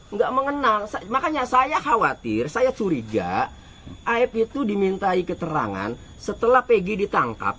nggak mengenal makanya saya khawatir saya curiga aep itu dimintai keterangan setelah pg ditangkap